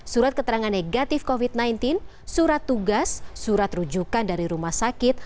surat keterangan negatif covid sembilan belas surat tugas surat rujukan dari rumah sakit